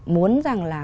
muốn rằng là